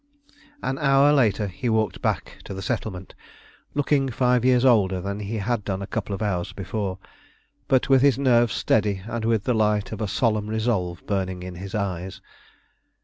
An hour later he walked back to the settlement, looking five years older than he had done a couple of hours before, but with his nerves steady and with the light of a solemn resolve burning in his eyes.